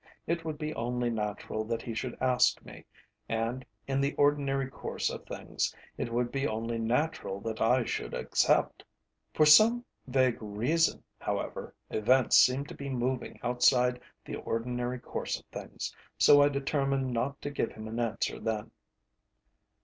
It would be only natural that he should ask me, and, in the ordinary course of things, it would be only natural that I should accept. For some vague reason, however, events seemed to be moving outside the ordinary course of things, so I determined not to give him an answer then.